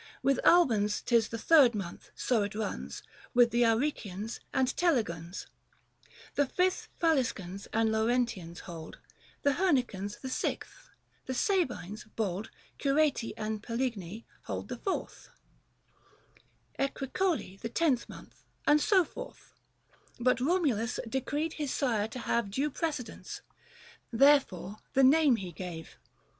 With Albans 'tis the third month ; so it runs With the Aricians and Telegons ; The fifth Faliscans and Laurentians hold ; The Hernicans the sixth ; the Sabines bold 100 Oureti and Peligni hold the fourth ; Equicoli the tenth month, and so forth ; But Eomulus decreed his sire to have Due precedence — therefore the name he gave.